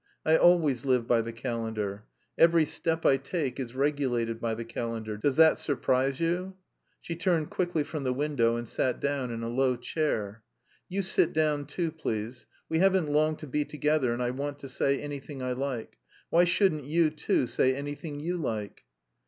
I always live by the calendar. Every step I take is regulated by the calendar. Does that surprise you?" She turned quickly from the window and sat down in a low chair. "You sit down, too, please. We haven't long to be together and I want to say anything I like.... Why shouldn't you, too, say anything you like?"